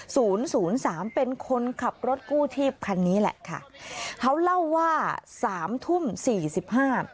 ศูนย์ศูนย์สามเป็นคนขับรถกู้ชีพคันนี้แหละค่ะเขาเล่าว่าสามทุ่มสี่สิบห้า